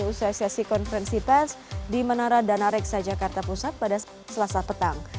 usai sesi konferensi pes di menara danareksa jakarta pusat pada selasa petang